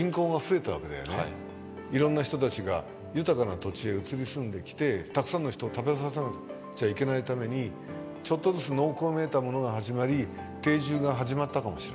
いろんな人たちが豊かな土地へ移り住んできてたくさんの人を食べさせなくちゃいけないためにちょっとずつ農耕めいたものが始まり定住が始まったかもしれない。